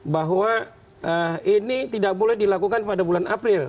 bahwa ini tidak boleh dilakukan pada bulan april